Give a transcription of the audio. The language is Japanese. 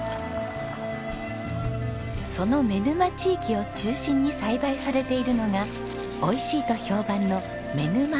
その妻沼地域を中心に栽培されているのがおいしいと評判のめぬ